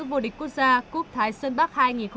vô địch quốc gia quốc thái sơn bắc hai nghìn hai mươi